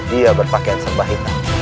dia berpakaian sembah hitam